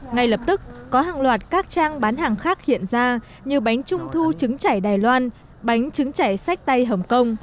ngay lập tức có hàng loạt các trang bán hàng khác hiện ra như bánh trung thu trứng chảy đài loan bánh trứng chảy sách tay hồng kông